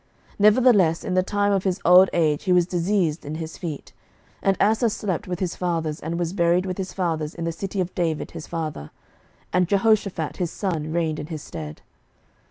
Nevertheless in the time of his old age he was diseased in his feet. 11:015:024 And Asa slept with his fathers, and was buried with his fathers in the city of David his father: and Jehoshaphat his son reigned in his stead.